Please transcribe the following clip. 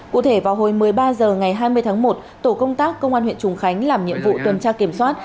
cụ thể vào hồi một mươi ba h ngày hai mươi tháng một tổ công tác công an huyện trùng khánh làm nhiệm vụ tuần tra kiểm soát